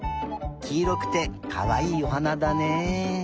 きいろくてかわいいおはなだね。